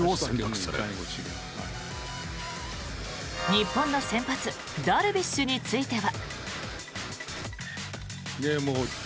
日本の先発ダルビッシュについては。